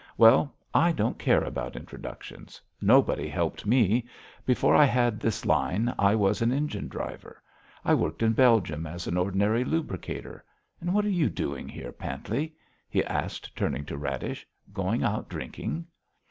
Well, I don't care about introductions. Nobody helped me. Before I had this line, I was an engine driver. I worked in Belgium as an ordinary lubricator. And what are you doing here, Panteley?" he asked, turning to Radish. "Going out drinking?"